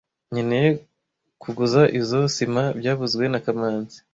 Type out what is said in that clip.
Nkeneye kuguza izoi sima byavuzwe na kamanzi